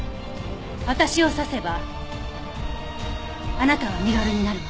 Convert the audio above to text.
私を刺せばあなたは身軽になるわ。